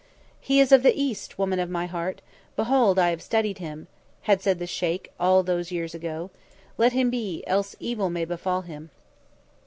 "He is of the East, Woman of my Heart! Behold, I have studied him," had said the Sheikh, all those years ago. "Let him be, else evil may befall him."